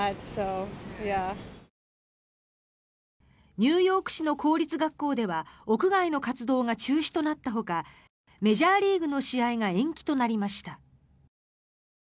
ニューヨーク市の公立学校では屋外の活動が中止となったほかメジャーリーグの試合が延期となりました。